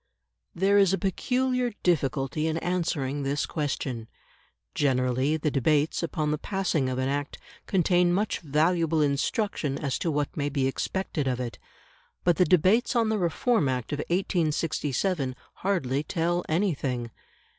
There is a peculiar difficulty in answering this question. Generally, the debates upon the passing of an Act contain much valuable instruction as to what may be expected of it. But the debates on the Reform Act of 1867 hardly tell anything.